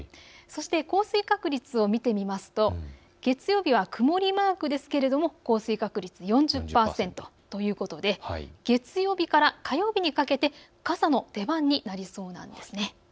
そして降水確率を見てみますと月曜日は曇りマークですけれども降水確率４０％ということで月曜日から火曜日にかけて傘の出番になりそうなんです。